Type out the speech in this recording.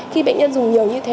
khi bệnh nhân dùng nhiều như thế